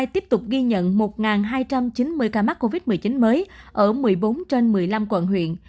tiếp tục ghi nhận một hai trăm chín mươi ca mắc covid một mươi chín mới ở một mươi bốn trên một mươi năm quận huyện